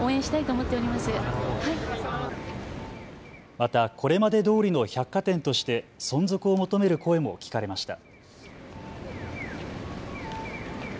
また、これまでどおりの百貨店として存続を求める声も聞かれました。